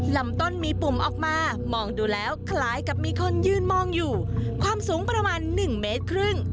ลำต้นมีปุ่มออกมามองดูแล้วคล้ายกับมีคนยืนมองอยู่ความสูงประมาณ๑เมตรครึ่ง